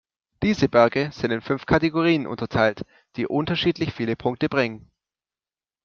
Diese Berge sind in fünf Kategorien unterteilt, die unterschiedlich viele Punkte bringen.